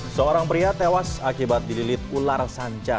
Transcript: seorang pria tewas akibat dililit ular sanca